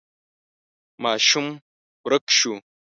ماشوم ورک شو.